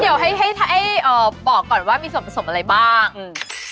เดี๋ยวให้ให้เอ่อบอกก่อนว่ามีส่วนผสมอะไรบ้างอืม